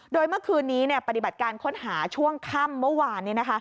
โดยเมื่อคืนนี้ปฏิบัติการค้นหาช่วงค่ำเมื่อวาน